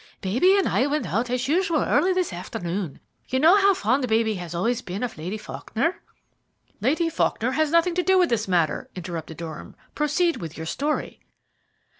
"Baby and I went out as usual early this afternoon. You know how fond baby has always been of Lady Faulkner?" "Lady Faulkner has nothing to do with this matter," interrupted Durham. "Proceed with your story."